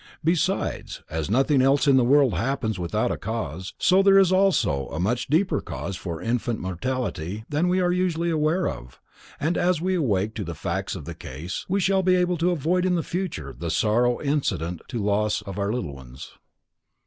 Besides, as nothing else in the world happens without a cause, so there is also a much deeper cause for infant mortality than we are usually aware of, and as we awake to the facts of the case, we shall be able to avoid in future the sorrow incident to loss of our little ones.